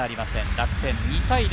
楽天２対０。